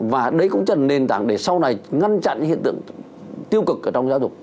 và đấy cũng trở nên nền tảng để sau này ngăn chặn những hiện tượng tiêu cực ở trong giáo dục